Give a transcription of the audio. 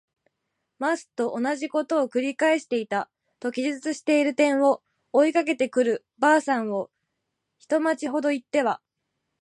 ます。」とおなじことを「くり返していた。」と記述している点を、追いかけてくる婆さんを一町ほど行っては